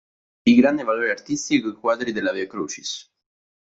Di grande valore artistico i quadri della via Crucis.